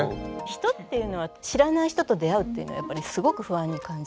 人っていうのは知らない人と出会うっていうのはやっぱりすごく不安に感じる。